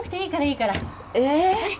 いいからいいから。